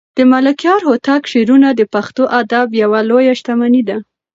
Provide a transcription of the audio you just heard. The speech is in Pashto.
د ملکیار هوتک شعرونه د پښتو ادب یوه لویه شتمني ده.